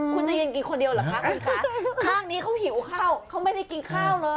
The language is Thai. คุณจะยืนกินคนเดียวเหรอคะคุณคะข้างนี้เขาหิวข้าวเขาไม่ได้กินข้าวเลย